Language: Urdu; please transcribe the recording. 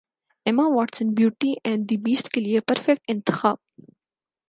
Emma Watson beauty and the beast کے لیے پرفیکٹ انتخاب